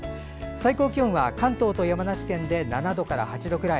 最高気温は関東と山梨県で７度から８度くらい。